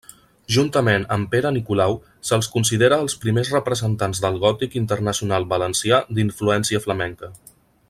Juntament amb Pere Nicolau, se'ls considera els primers representants del gòtic internacional valencià d'influència flamenca.